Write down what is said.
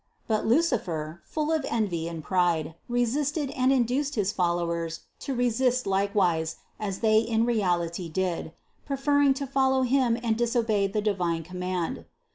But Lucifer, full of envy and pride, resisted and induced his followers to resist likewise, as they in reality did, preferring to follow him and disobey the divine command.